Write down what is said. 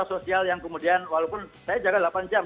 sosial yang kemudian walaupun saya jaga delapan jam